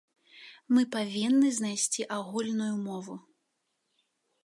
Мы павінны знайсці агульную мову.